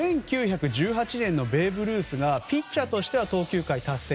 １９１８年のベーブ・ルースがピッチャーとしては投球回達成。